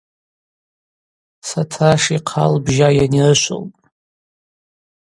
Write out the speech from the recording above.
Сотраш йхъа лбжьа йанирышвылтӏ.